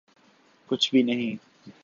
کچھ بھی نہیں۔